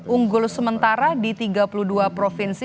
unggul sementara di tiga puluh dua provinsi